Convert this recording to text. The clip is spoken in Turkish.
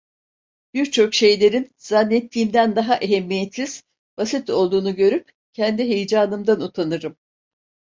Birçok şeylerin zannettiğimden daha ehemmiyetsiz, basit olduğunu görüp kendi heyecanımdan utanırım.